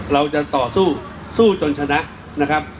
เราจะต่อสู้สู้จนชนะนะครับ